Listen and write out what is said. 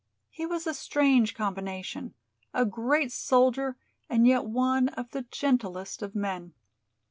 He was a strange combination: a great soldier and yet one of the gentlest of men.